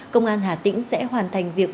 công an hà tĩnh sẽ hoàn thành việc